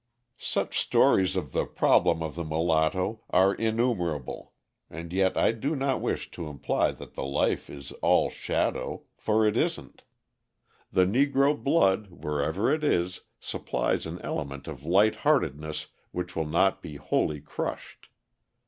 Such stories of the problem of the mulatto are innumerable; and yet I do not wish to imply that the life is all shadow, for it isn't. The Negro blood, wherever it is, supplies an element of light heartedness which will not be wholly crushed.